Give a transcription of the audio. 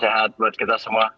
sehat buat kita semua